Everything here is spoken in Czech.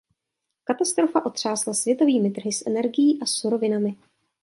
Katastrofa otřásla světovými trhy s energií a surovinami.